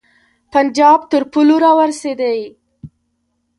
پنجاب تر پولو را ورسېدی.